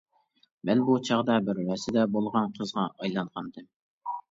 مەن بۇ چاغدا بىر رەسىدە بولغان قىزغا ئايلانغانىدىم.